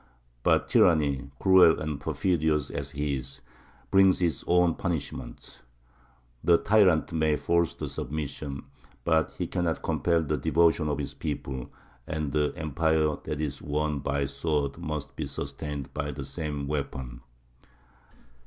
But tyranny, cruel and perfidious as his, brings its own punishment. The tyrant may force the submission, but he cannot compel the devotion of his people, and the empire that is won by the sword must be sustained by the same weapon.